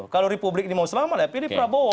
kalau republik ini mau selamat ya pilih prabowo